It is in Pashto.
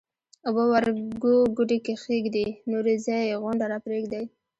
اوبه ورګو ګوډي کښېږدئ ـ نورې ځئ غونډه راپرېږدئ